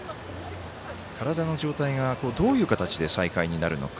体の状態が、どういう形で再開になるのか。